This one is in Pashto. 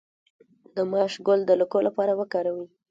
د ماش ګل د لکو لپاره وکاروئ